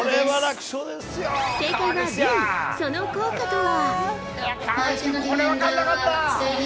その効果とは。